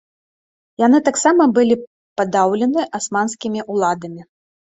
Яны таксама былі падаўлены асманскімі ўладамі.